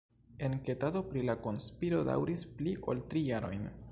Enketado pri la konspiro daŭris pli ol tri jarojn.